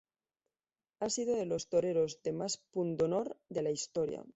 Ha sido de los toreros de más pundonor de la historia.